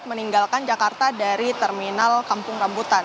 meninggalkan jakarta dari terminal kampung rambutan